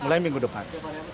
mulai minggu depan